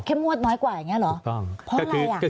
แค่มวดน้อยกว่าอย่างนี้หรือเพราะอะไรอ่ะ